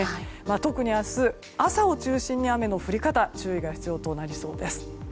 特に明日、朝を中心に雨の降り方に注意が必要となりそうです。